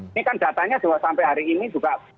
ini kan datanya juga sampai hari ini juga